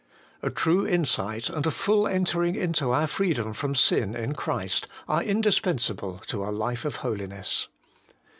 A true insight and a full entering into our freedom from sin in Christ are indispensable to a life of holiness.